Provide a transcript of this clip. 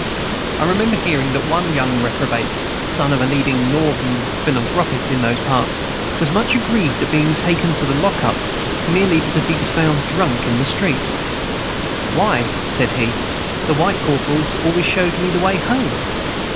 I remember hearing that one young reprobate, son of a leading Northern philanthropist in those parts, was much aggrieved at being taken to the lock up merely because he was found drunk in the streets. "Why," said he, "the white corporals always showed me the way home."